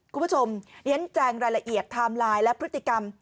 คุณผู้ชมเรียนแจงรายละเอียดไทม์ไลน์และพฤติกรรม